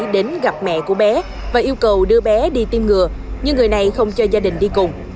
đến gặp mẹ của bé và yêu cầu đưa bé đi tiêm ngừa nhưng người này không cho gia đình đi cùng